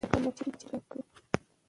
هغه خپل سیاسي نظریات خپاره کړل.